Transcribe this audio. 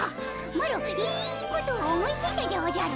マロいいことを思いついたでおじゃる。